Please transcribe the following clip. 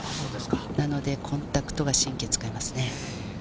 なので、コンタクトが神経使いますね。